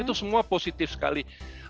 itu semua positif sekali